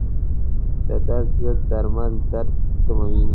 د درد ضد درمل درد کموي.